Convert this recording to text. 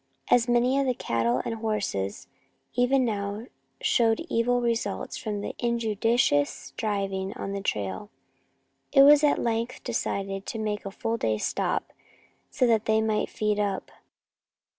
As many of the cattle and horses even now showed evil results from injudicious driving on the trail, it was at length decided to make a full day's stop so that they might feed up.